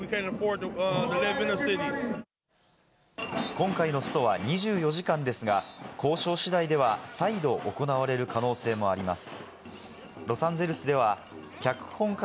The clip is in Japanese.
今回のストは２４時間ですが、交渉次第では再度行われる可能性もあります。